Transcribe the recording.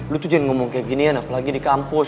lu tuh jangan ngomong kayak gini ya apalagi di kampus